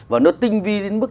và nó tinh vi đến mức